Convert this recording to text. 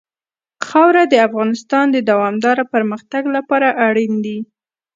خاوره د افغانستان د دوامداره پرمختګ لپاره اړین دي.